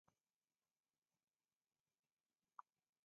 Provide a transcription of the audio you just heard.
Nikatulia anyaha, nidimagha nabonya kazi yahenga.